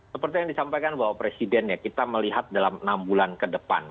seperti yang disampaikan bapak presiden ya kita melihat dalam enam bulan ke depan